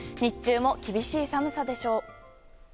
日中も厳しい寒さでしょう。